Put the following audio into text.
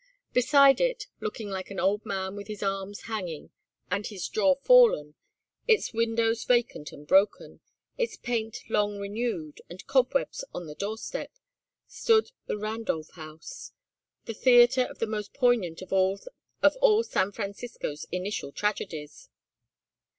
Beside it, looking like an old man with his arms hanging and his jaw fallen, its windows vacant and broken, its paint long unrenewed, and cobwebs on the very doorstep, stood the Randolph House, the theatre of the most poignant of all an Francisco's initial tragedies.